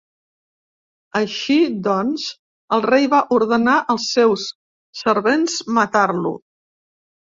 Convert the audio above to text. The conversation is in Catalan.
Així doncs el rei va ordenar els seus servents matar-lo.